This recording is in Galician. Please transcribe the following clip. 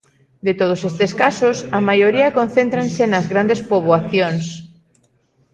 De todos estes casos, a maioría concéntranse nas grandes poboacións.